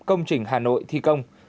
công trình hà nội thi công